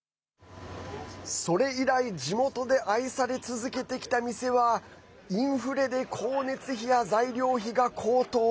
それ以来、地元で愛され続けてきた店はインフレで光熱費や材料費が高騰。